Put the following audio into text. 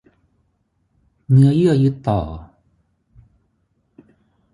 เนื้อเยื่อยึดต่อ